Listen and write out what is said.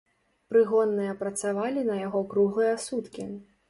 Прыгонныя працавалі на яго круглыя суткі.